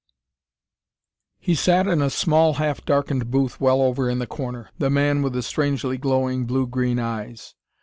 He sat in a small half darkened booth well over in the corner the man with the strangely glowing blue green eyes.